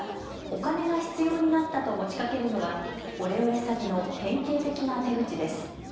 お金が必要になったと持ちかけるのはオレオレ詐欺の典型的な手口です。